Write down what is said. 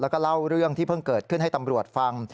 แล้วก็เล่าเรื่องที่เพิ่งเกิดขึ้นให้ตำรวจฟัง